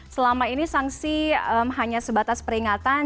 selama ini sanksi hanya sebatas peringatan